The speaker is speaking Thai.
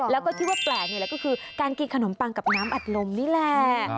แล้วก็ที่ว่าแปลกนี่แหละก็คือการกินขนมปังกับน้ำอัดลมนี่แหละ